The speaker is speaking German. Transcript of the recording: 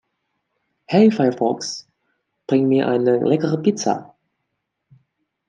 Hey Firefox, bring mir eine leckere Pizza.